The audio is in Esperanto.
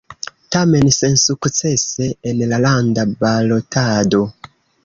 Tamen sensukcese en la landa balotado.